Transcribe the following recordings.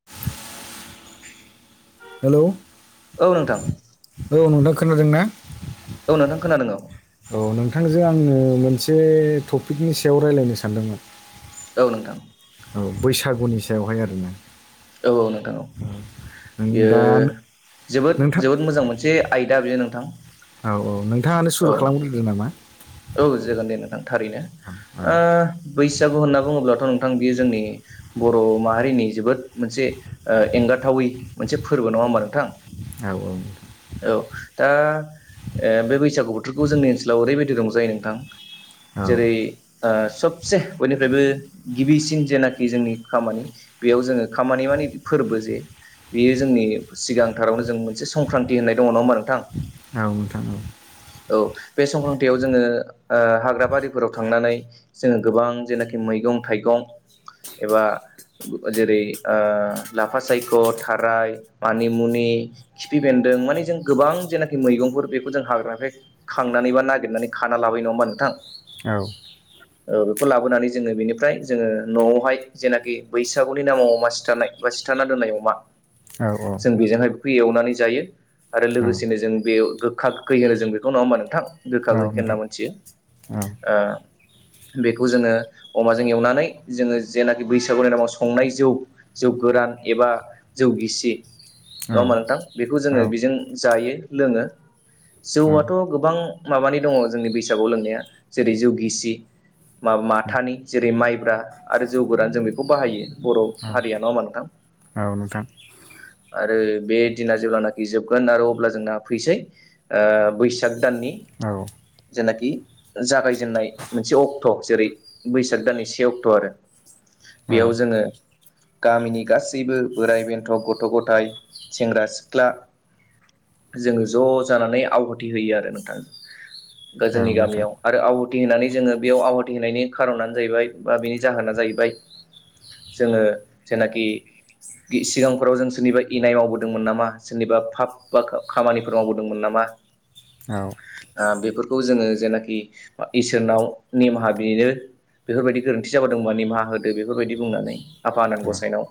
[unintelligible] Hello औ नोंथां औ नोंथां खोनादों ना? औ नोंथां खोनादों औ नोंथांजों आंङो मोनसे टपिकनि सायाव रायज्लायनो सानदोंमोन। औ नोंथां। औ बैसागुनि सायावहाय आरोना औ औ नोंथां औ। नों बेयो दा जोबोद नोंथां जोबोद मोजां मोनसे आइ दा बियोनो नोंथां औ औ नोंथाङानो औ सुरु खालामग्रोदो नामा औ जोगोन दे नोंथां थारैनो औ ओ बैसागु होनना बुङोब्लाथ' नोंथां बियो जोंनि बर' माहारिनि जोबोद मोनसे एंगार जाथावै मोनसे फोरबो नङा होमा नोंथां औ औ औ दा ओ बे बैसागु बोथोरखौ जोंनि ओनसोलाव ओरैबायदि रंजायो नोंथां औ जेरै ओ सबसे बयनिफ्रायबो गिबिसिन जेनाखि जोंनि खामानि बेयाव जोङो खामानि मानि फोरबो जे बेयो जोंनि सिगांथारावनो जों मोनसे संक्रान्ति होननाय दङ नङा होमबा नोंथां औ नोंथां औ औ बे संख्रान्तियाव जोङो ओ हाग्रा बारिफोराव थांनानै जोङो गोबां जेनाखि मैगं थाइगं एबा जेरै ओ लाफा सायख' थाराय मानिमुनि नि खिफि बेन्दों मान जों गोबां जेनाखि मैगंफोर बेखौ जों हाग्रानिफ्राय खांनानै बा नागिरनानै खाना लाबायो नङा होमबा नोंथां औ औ बेखौ लाबोनानै जोङो बेनिफ्राय जोङो न'आवहाय जेनाखि बैसागुनि नामाव अमा सिथार नाय बा सिथारा दोननाय अमा औ जों बेजोंहाय बेखौ एवनानै जायो आरो लोगोसेनो जों बे गोखा गोैहोनो जों बेखौ नङा होमबा नोंथां गोखा औ नोंथां औ नोंथां औ गोख खै नोंथां होनना मोनथियो औ नोंथां औ नोंथां ओ बेखौ जोङो अमाजों एवनानै जोङो जेंनानि बैसागुनि नायाव संनाय जौ जौ गोरान एबा जौगिसि नङा होमा नोंथां बेखौ जोङो बेजों जायो लोङो जौआथ' गोबां माबानि दङ जोंनि बैसागु लोंनाया जेरै जौ गिसि मा माथानि जेरै माइब्रा आरो जौ गोरान जों बेखौ बाहायो बर' हारिया नङाहोमबा नोंथां औ नोंथां आरो बे दिना जेब्लानाखि जोबगोन आरो अब्ला जोंना फैसै ओ बैसाग दाननि औ जेनाखि जागायजेननाय मोनसे अक्ट' जेरै बैसाग दाननि से अक्ट' आरो बेयाव जोङो गामिनि गासैबो बोराइ बेन्थ' गथ' गथाय सेंग्रा सिख्ला जोङो ज' जानानै आहुथि होयो आरो नोंथां गो जोंनि गामियाव आरो आवाथि होनानै जोङो बेयाव आवाथि होनायनि खारनानो जाहैबाय बा बिनि जाहोना जाहैबाय बाय जोङो जेनाखि बि सिगांफोराव जों सोरनिबा इनाय मावबोदोंमोन नामा सोरनिबा फाब बा खामानिफोर मावबोदोंमोन नामा [inaudible] ओ बेफोरखौ जोङो जेनाखि इसोरनाव निमाहा बिनो बेफोरबायदि गोरोन्थि जाबोदों माने मा होदो बेफोरबायदि बुंनानै आफा आनान गसाइनाव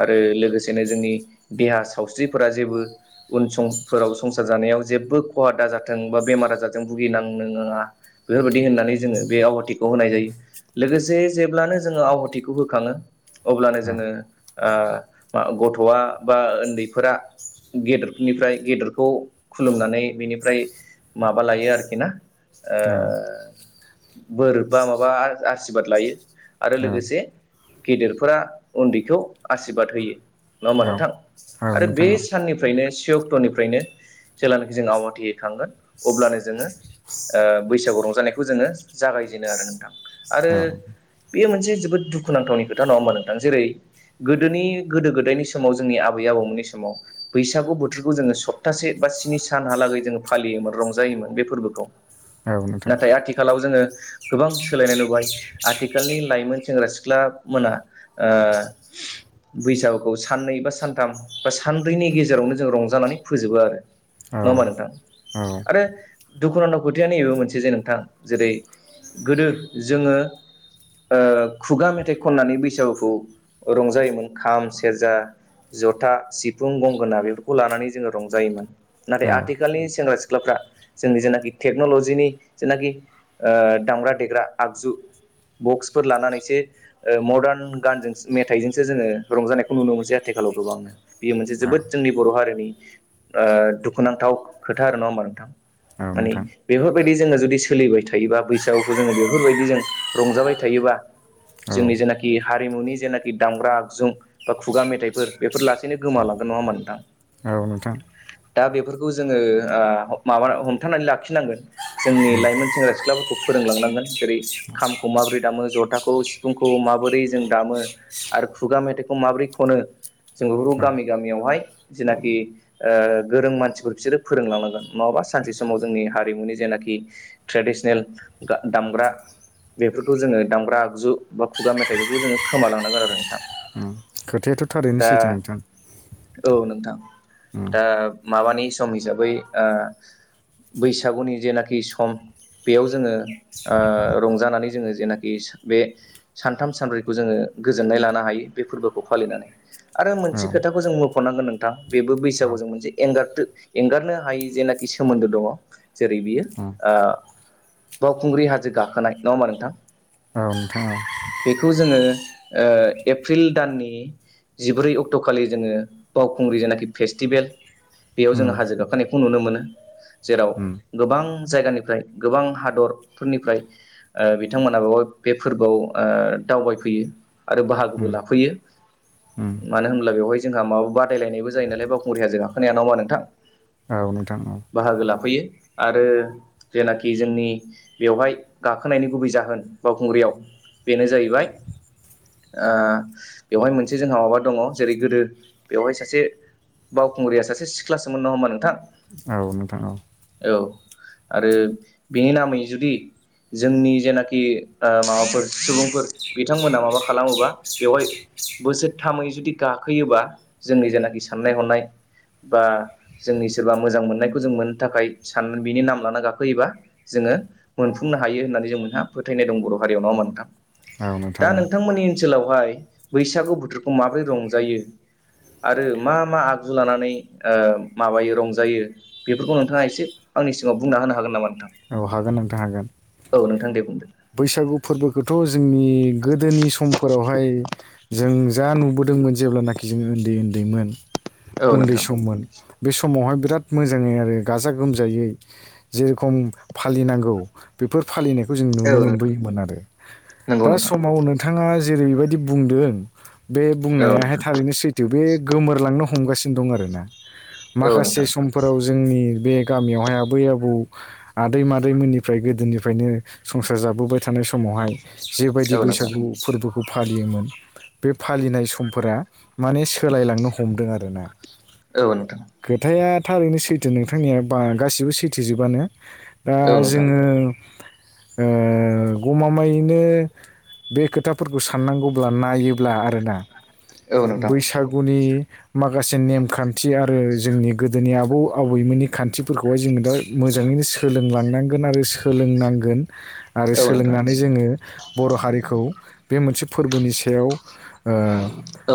आरो लोगोसेनो जोंनि देहा सावस्रिफोरा जेबो उन समफोराव संसार जा नायाव जेबो खहा दा जाथों बा बेमार आजार जों भुगिनांनोङा बेफोरबायदि होननानै जोङो बे आवाथिखौ होनाय जायो लोगोसे जेब्लानो जोङो आवहाथिखौ होखाङो अब्लानो जोङो गथ'आ बा उन्दैफोरा गेदेरफोरनिफ्राय गेदेरखौ खुलुमनानै बेनिफ्राय मा माबा लायो आरोखि ना ओ बोर बा माबा आसिरबाद लायो आरो लोगोसे गेदेरफोरा उन्दैखौ आसशिरबाद होयो नङा होमबा नोंथां? आरो बे साननिफ्रायनो से अक्ट'निफ्रायनो जेेलानाखि जों आवाथि हैैखांगोन अब्लानो जोङो ओ बैसागु रंजानायखौ जोङो जागायजेनो आरो नोंथां। आरो बेयो मोनसे जोबोद दुखुनांथावनि खोथा नङा होमबा नोंथां? जेरै गोदोनि गोदो गोदायनि समाव जोंनि आबै आबौमोननि समाव बैसागु बोथोरखौ जोङो सप्तासे बा बा स्नि सानहालागै जोङो फालियोमोन रंजायोमोन बे फोरबोखौ। नाथाय आथिखालाव जोङो गोबां सोलायनाय नुबाय आथिखालनि लाइमोन सेंग्रा-सिख्ला मोना ओ बैसागुखौ साननै बा सानथाम बा सानब्रैनि गेजेरावनो जों रंजानानै फोजोबो आरो। औ नङा होमबा नोंथां औ। आरो दुखुनांथाव खोथायानो नैबेबो मोनसे जे नोंथां जेरै गोदो जोङो खुगा मेथाइ खननानै बैसागुखौ रंजायोमोन खाम, सेरजा, जथा, सिफुं, गंगोना बेफोरखौ लानानै जोङो रंजायोमोन। औ नाथाय आथिखालनि सेंग्रा-सिख्ला फ्रा जोंनि जेनाखि टेक्न'लजिनि जेनाखि दामग्रा देग्रा आगजु बक्सफोर लानानैसो मदार्न गानजोंसो मेथाइजोंसो जोङो रंजानायखौ नुनो मोनसै। आथिखालाव गोबां बेयो मोनसे औ जोबोद जोंनि बर' हारिनि दुखुनांथाव खोथा आरो नङा होमबा नोंथां? नोंथां। औ माने नोंथां बेफोरबायदि जोङो जुदि सोलिबाय थायोबा बैसागुखौ जोङो बेफोरबायदि जों रंजाबाय थायोबा औ जोंनि जेनाखि हारिमुनि जेनाखि दामग्रा आगजु बा खुगा मेथाइफोर बेफोर लासैनो गोमालांगोन। नङा होनबा नोंथां? औ‌ नोंथां। दा बेफोरखौ जोङो ओ माबा हमथानानै लाखिनांगोन जोंनि उम लाइमोन सेंग्रा सिख्लाफोरखौ फोरोंलांनांगोन जेरै खामखौ माबोरै माबोरै दामो जथाखौ सिफुंखौ माबोरै जों दामो आरो खुगा मेथाइखौ माबोरै खनो? जों बेफोरखौ औ गामि गामियावहाय जेनाखि गोरों मानसिफोर बिसोरो फोरोंलांनांगोन। नङाबा सानसे समाव जोंनि हारिमुनि जेनाखि ट्रेडिसनेल दामग्रा बेफोरखौ जोङो दामग्रा आगजु बा खुगा मेथाइ बेफोरखौ जोङो खोमालांनांगोन आरो नोंथां। उम खोथायाथ' थारैनो दा सैथ नोंथां। औ नोंथां उम दा माबानि सम हिसाबै ओ बैसागुनि जेनाकि सम बेयाव जोङो ओ रंजानानै जोङो जेनाकि स बे सानथाम सानब्रैखौ जोङो गोजोननाय लानो हायो बे फोरबोखौ फालिनानै। आरो औ मोनसे खोथाखौ जों मख'नांगोन नोंथां बेबो औ बैसागु जों मोनसे एंगारथो एंगारनो हायि जेनाकि सोमोन्दो दङ' जेरै बियो उम ओ बावखुंग्रि हाजो गाखोनाय नङा होमबा नोंथां। औ नोंथां औ बेखौ जोङो ओ एप्रिल दाननि जिब्रै अक्ट'खालि जोङो बावखुंग्रि जेनाकि फ्रेस्टिभेल बेयाव जोङो उम हाजो गाखोनाय खौ नुनो मोनो जेराव उम गोबां जायगानिफ्राय गोबां हादरफोरनिफ्राय ओ बिथांमोनाबावहाय बे फोरबोआव ओ दावबायफैयो आरो बाहागोबो उम लाफैयो। उम मानो होनब्ला बेवहाय जोंहा माबा बादायलायनायबो जायो नालाय बावखुंग्रि हाजो गाखोनाया नङा होमबा नोंथां। औ नोंथां औ। बाहागो लाफैयो आरो जेनाकि जोंनि बेवहाय गाखोनायनि गुबै जाहोन बावखुंग्रियाव बेनो जाहैबाय ओ बेवहाय मोनसे जोंहा माबा दङ' जेरै गोदो बेवहाय सासे बावखुंग्रिया सासे सिख्लासोमोन नङा होमबा नोंथां? औ नोंथां औ। औ आरो बेनि नामै जुदि जोंनि जेनाकि ओ माबाफोर सुबुंफोर बिथांमोना माबा खालामोबा बेवहाय बोसोरथामै जुदि गाखोयोबा जोंनि जेनाकि साननाय हनाय बा जोंनि सोरबा मोजां मोननायखौ जों मोननो थाखाय सान बिनि नाम लाना गाखोयोबा जोङो मोनफुंनो हायो होनना नानै जोंमोनहा फोथायनाय दं बर' हारियाव नङा होमबा नोंथां औ दा नोंथां औ नोंथांमोननि ओनसोलावहाय बैसागु बोथोरखौ माबोरै रंजायो आरो मा मा आगजु लानानै ओ माबायो रंज जायो बेफोरखौ नोंथाङा एसे आंनि सिगाङाव बुंना होनो हागोन नामा नोंथां? औ हागोन नोंथां हागोन औ नोंथां दे बुंदो बैसागु फोरबोखोथ' जोंनि गोदोनि समफोरावहाय जों जा नुबोदों दोंमोन जेब्लानाकि जों ओन्दै ओन्दैमोन औ उन्दै नोंथां सममोन बे समावहाय बिराद मोजाङै आरो गाजा गोमजायै जेरखम फालिनांगौ बेफोर फालिनायखौ जों औ नुनो नोंथां मोनबोयोमोन आरो नंगौ दा नोंथां समाव नोंथाङा जेरैबायदि बुंदों बे औ बुंनायाहाय नोंथां थारैनो सैथो बे गोमोरलांनो हमगासिनो दं आरो ना औ माखासे नोंथां समफोराव जोंनि बे गामियावहाय आबै आबौ आदै मादैमोननिफ्राय गोदोनिफ्रायनो संसार जाबोबाय थानाय समावहाय औ जेबायदि नोंथां बैसागु फोरबो खौ फालियोमोन बे फालिनाय समफोरा माने सोलायलांनो हमदों आरो ना औ नोंथां थारैनो सैथो नोंथांनिया बा गासिबो सैथोजोबानो दा औ नोंथां औ नोंथां जोङो ओ गमामायैनो बे खोथाफोरखौ साननांगौब्ला नायोब्ला आरोना बैसागुनि माखासे नेमखान्थि आरो जोंनि गोदोनि आबौ आबैमोननि खान्थिफोरखौहाय जोङो दा मो जाङैनो सोलोंलांनांगोन आरो सोंलोंनां गोन आरो औ सोलोंनानै नोंथां जोङो बर' हारिखौ बे मोनसे फोरबोनि सायाव ओ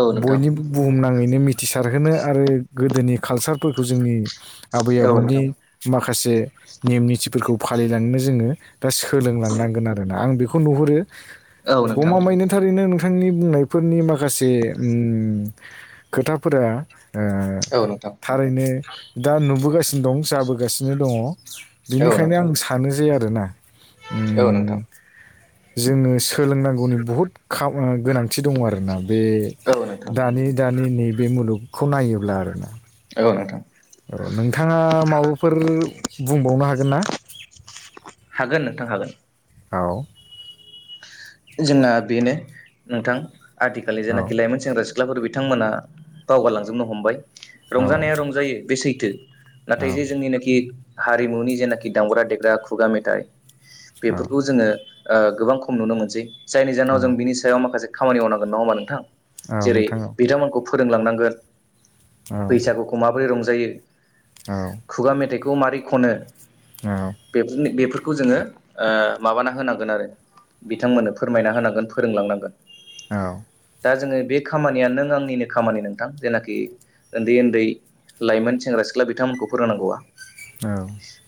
औ नोंथां औ नोंथां बयनिबो बुहुमनाङै नो मिथिसारहोनो आरो गोदोनि खालचारफोरखौ जोंनि आबै औ नोंथां औ नोंथां औ नोंथां औ आबौनि नोंथां माखा खासे नेम निथिफोरखौ फालिलांनो जोङो दा सोलोंलांनांगोन आरोना आं बेखौ नुहुत औ गमा मायैनो थारैनो नों थांनि बुंनायफोरनि माखासे ओम खोथाफोरा ओ थारैनो दा नुबोगासिनो दं जाबोगासिनो दंङ बिनिखायनो आं सानो जे आरोना औ उम नोंथां जोङो सो लोंनांगौनि बहुद खामा गोनांथि दङ आरोना बे नोंथां दानि दानि नैबे मुलुग खौ नायोब्ला आरो ना औ नोंथां औ नोंथाङा माबाफोर बुंबावनो हा हागोन नोंथां हागोन औ जोंना बेनो नोंथां आथिखालनि औ जेनाखि लाइमोन सेंग्रा सिख ख्लाफोर बिथांमोना बावगारालांजोबनो हमबाय औ रंजानाया रंजायो बे सैथो औ नाथाय जे जोंनिनाखि हारिमुनि जेनाखि दामग्रा देग्रा खुगा मेथाइ औ बेफोरखौ जोङो गोबां खम नुनो मोनसै जायनि जाहोनाव औ जों बिनि सायाव माखासे खामानि मावनांगोन नङा होमा नोंथां औ जेरै नोंथां औ बिथांमोनखौ फोरोंलांनांगोन औ बैसागुखौ माबोरै रंजायो औ खुगा मेथाइखौ मारै खनो औ बे बेफोरखौ जोङो ओ माबाना होनांगोन आरो बिथांमोननो फोरमायना होनांगोन फोरोंलांनांगोन औ दा जोङो बे खामानिया नों आंनिनो खामानि नोंथां जेनाखि ओन्दै ओन्दै लाइमोन सेंग्रा सिख्ला बिथांमोनखौ फोरोंनांगौआ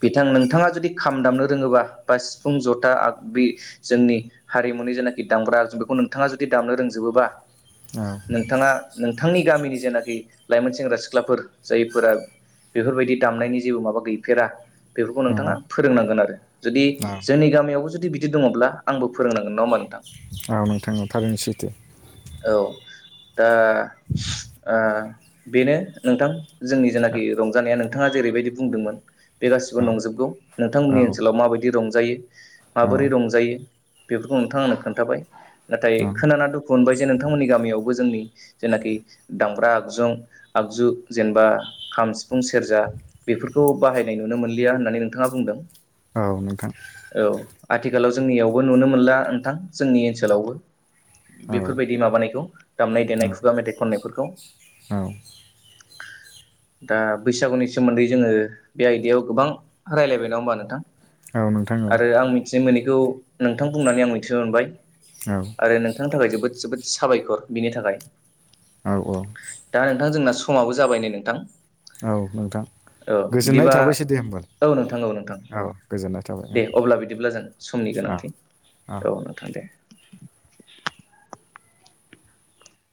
बिथां नों थांङा जुदि खाम दामनो रोङोबा बा सिफुं जथा आगबि जोंनि हारिमुनि जेनाखि दामग्रा जों बेखौ नोंथाङा जुदि दामनो रोंजोबोबा नोंथाङा नोंथांनि गामिनि जेनाखि लाइमोन सेंग्रा सिख्लाफोर जायफोरा बेफोरबायदि दामनायनि जेबो माबा गैफेरा बेफोरखौ औ नोंथाङा फोरोंनांगोन आरो। जुदि जोंनि गामियावबो जुदि बिदि दङब्ला आंबो फोरोंनांगोन नङा होनबा। औ नोंथां औ थारैनो सैथो। औ दा ओ बेनो नोंथां। जोंनि औ जेनाखि रंजानाया नोंथाङा जेरैबायदि बुंदोंमोन बे गासिबो नंजोबगौ औ नोंथांमोननि ओनसोलाव माबायदि रंजायो औ माबोरै रंजायो बेफोरखौ नोंथां आनो खोन्थाबाय। नाथाय खोनाना दुखु मोननबाय जे नोंथांमोननि गामियावबो जोंनि जेनाखि दामबग्रा आगजुं आगजु जेनबा खाम, सिफुं, सेरजा बेफोरखौ बाहायनाय नुनो मोनलिया होननानै नोंथाङा बुंदों। औ नोंथां। औ आथिखालाव जोंनियावबो नुनो मोनला नोंथां जोंनि ओनसोलावबो। औ नोंथां औ बेफोरबायदि माबानायखौ दामनाय देनाय खुगा मेथाइ खननायफोरखौ औ दा बैसागुनि सोमोन्दै जोङो बे आयदायाव गोबां रायज्लायबाय नङा होमबा नोंथां। औ नोंथां औ। आरो आं मिथिनो मोनैखौ नोंथां बुंनानै आं मिथिनो मोनबाय। औ आरो नोंथांनि थाखाय जोबोद जोबोद साबायखर बिनि थाखाय। औ औ दा नोंथां जोंना समाबो जाबाय नै नोंथां। औ नोंथां। औ गोजोननाय बिदिबा थाबायसै दे होमबाल औ नोंथां औ नोंथां औ गोजोननाय थाबाय औ दे अब्ला बिदिब्ला जों समनि गोनांथि औ नोंथां दे।